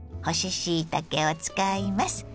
干ししいたけを使います。